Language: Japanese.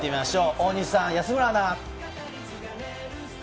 大西さん、安村アナ！